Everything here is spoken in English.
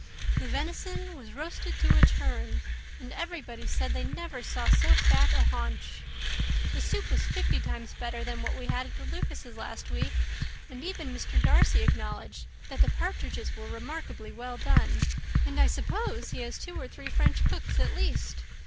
The venison was roasted to a turn and everybody said, they never saw so fat a haunch. The soup was fifty times better than what we had at the Lucases' last week; and even Mr. Darcy acknowledged that the partridges were remarkably well done; and I suppose he has two or three French cooks at least.